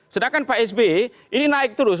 sedangkan pak s b ini naik terus